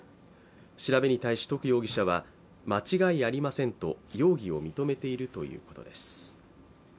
調べに対し、徳容疑者は間違いありませんと容疑を認めているということです。